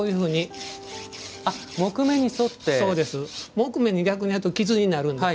木目に逆にやると傷になるんです。